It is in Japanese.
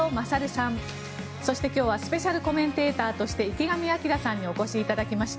そして今日はスペシャルコメンテーターとして池上彰さんにお越しいただきました。